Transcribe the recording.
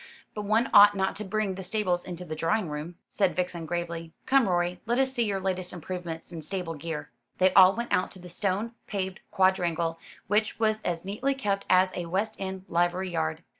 "But one ought not to bring the stables into the drawing room," said Vixen gravely. "Come, Rorie, let us see your latest improvements in stable gear." They all went out to the stone paved quadrangle, which was as neatly kept as a West End livery yard.